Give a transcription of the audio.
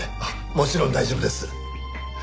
もちろん大丈夫です。